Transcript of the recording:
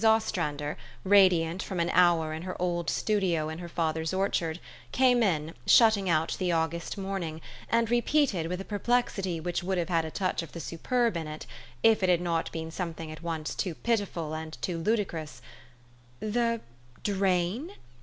Ostrander, radiant from an hour in her old studio in her father's orchard, came in, shutting out the August morning, and repeated with a perplexity which would have had a touch of the superb in it, if it had not been something at once too pitiful and too ludicrous, "The drain?"